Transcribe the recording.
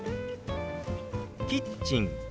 「キッチン」。